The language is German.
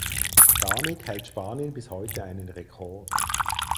Damit hält Spanien bis heute einen Rekord.